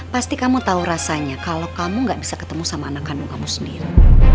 pasti kamu tahu rasanya kalau kamu gak bisa ketemu sama anak kamu kamu sendiri